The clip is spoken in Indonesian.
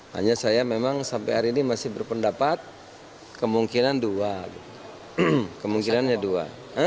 hanya saya memang sampai hari ini masih berpendapat kemungkinan dua kemungkinannya dua